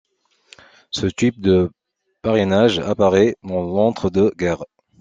Ce type de parrainage apparaît dans l’entre-deux guerres.